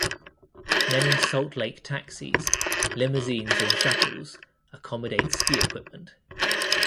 Many Salt Lake taxis, limousines and shuttles accommodate ski equipment.